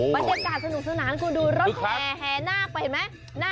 บรรยากาศสนุกสนานคุณดูรถแห่แห่นาคไปเห็นไหม